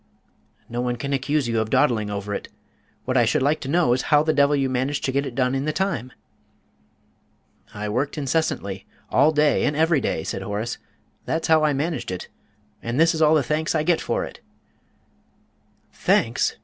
"No one can accuse you of dawdling over it. What I should like to know is how the devil you managed to get it done in the time?" "I worked incessantly all day and every day," said Horace. "That's how I managed it and this is all the thanks I get for it!" "Thanks?"